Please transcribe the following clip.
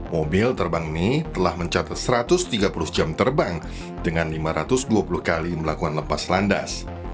mobil terbang ini telah mencatat satu ratus tiga puluh jam terbang dengan lima ratus dua puluh kali melakukan lepas landas